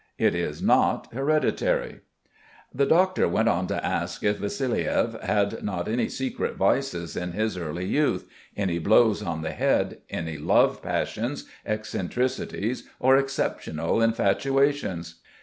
It is not hereditary." The doctor went on to ask if Vassiliev had not any secret vices in his early youth, any blows on the head, any love passions, eccentricities, or exceptional infatuations.